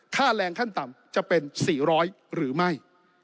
ค่าแรงขั้นต่ำจะเป็น๔๐๐หรือไม่